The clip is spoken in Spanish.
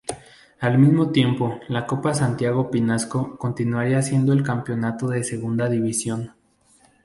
Al mismo tiempo, la Copa Santiago Pinasco continuaría siendo el campeonato de segunda división.